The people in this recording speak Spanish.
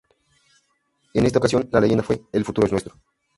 En esta ocasión, la leyenda fue "El futuro es nuestro".